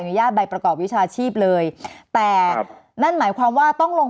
ญาตใบประกอบวิชาชีพเลยแต่นั่นหมายความว่าต้องลง